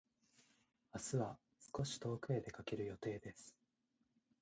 明日は少し遠くへ出かける予定です。